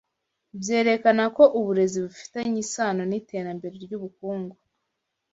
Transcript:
byerekana ko uburezi bufitanye isano niterambere ryubukungu